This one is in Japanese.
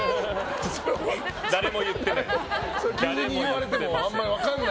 誰も言ってない。